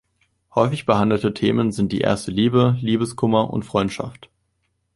Häufig behandelte Themen sind die erste Liebe, Liebeskummer und Freundschaft.